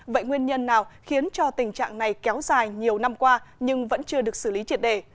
vậy nguyên nhân nào khiến cho tình trạng này kéo dài nhiều năm qua nhưng vẫn chưa được xử lý triệt đề